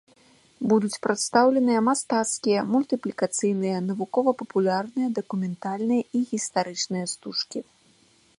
Будуць прадстаўленыя мастацкія, мультыплікацыйныя, навукова-папулярныя, дакументальныя і гістарычныя стужкі.